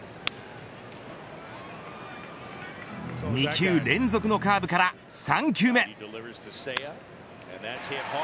２球連続のカーブから３球目。